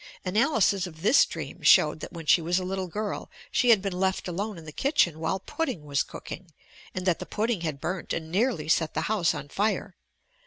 Analysis of this dream showed that when she was a little girl, she had been left alone in the kitchen while pudding was cooking, and that the pudding had burnt and nearly set the house on fire.